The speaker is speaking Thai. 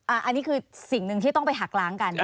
อันนี้คือสิ่งหนึ่งที่ต้องไปหักล้างกัน